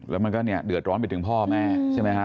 แล้วมันก็เนี่ยเดือดร้อนไปถึงพ่อแม่ใช่ไหมฮะ